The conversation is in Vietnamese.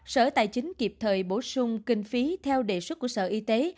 sở tài chính kịp thời bổ sung kinh phí theo đề xuất của sở y tế